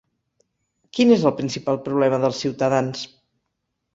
Quin és el principal problema dels ciutadans?